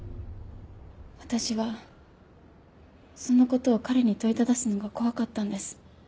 私はその事を彼に問いただすのが怖かったんです。